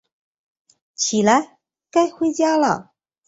起来，该回家了